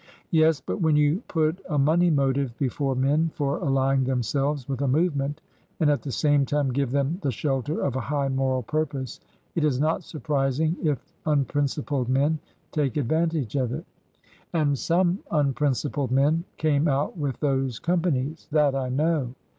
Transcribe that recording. '' Yes, but when you put a money motive before men for allying themselves with a movement, and at the same time give them the shelter of a high moral purpose, it is not surprising if unprincipled men take advantage of it. And some unprincipled men came out with those compa nies. That I know.